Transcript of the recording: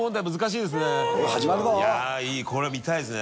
いいいこれ見たいですね。